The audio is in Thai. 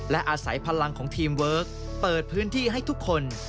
และอาศัยพลังของทีมเวิร์คเปิดพื้นที่ให้ทุกคน